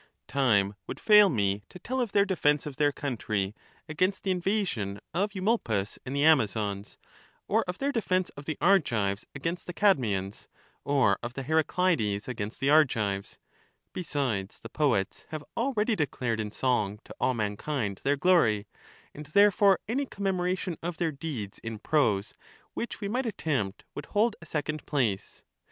Time would fail me to tell of their defence of their country against the invasion of Eumolpus and the Amazons, or of their defence of the Argives against the Cadmeians, or of the Heracleids against the Argives ; besides, the poets have already declared in song to all mankind their glory, and therefore any com memoration of their deeds in prose which we might attempt would hold a second place.